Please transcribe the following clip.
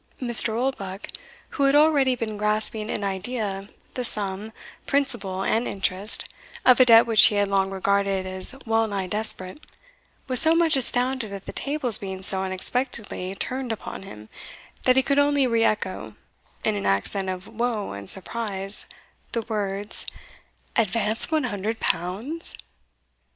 Mr. Oldbuck, who had already been grasping in idea the sum, principal and interest, of a debt which he had long regarded as wellnigh desperate, was so much astounded at the tables being so unexpectedly turned upon him, that he could only re echo, in an accent of wo and surprise, the words, "Advance one hundred pounds!"